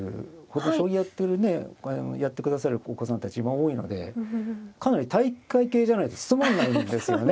将棋やって下さるお子さんたち今多いのでかなり体育会系じゃないと務まらないんですよね体力が。